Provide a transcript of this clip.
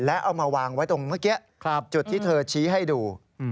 แล้วเอามาวางไว้ตรงเมื่อกี้จุดที่เธอชี้ให้ดู